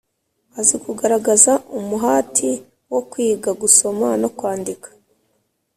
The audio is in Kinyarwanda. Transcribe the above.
azi kugaragaza umuhati wo kwiga gusoma no kwandika